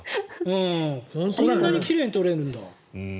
こんなに奇麗に撮れるんだ。